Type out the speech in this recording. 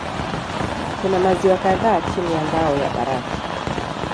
Kuna maziwa kadhaa chini ya ngao ya barafu.